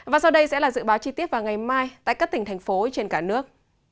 và sau đây sẽ là dự báo chi tiết vào ngày mai tại các tỉnh thành phố trên cả nước